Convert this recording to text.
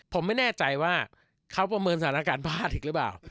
ผมไม่แน่ใจว่าเขาประเมินสถานการณ์พลาดอีกหรือเปล่า